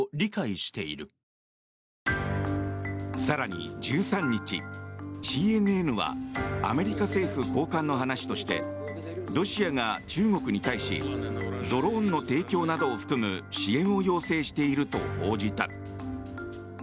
更に１３日、ＣＮＮはアメリカ政府高官の話としてロシアが中国に対しドローンの提供などを含む支援を要請していると報じた。